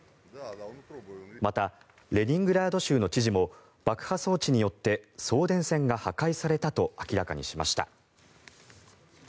また、レニングラード州の知事も爆破装置によって送電線が破壊されたと明らかにしました。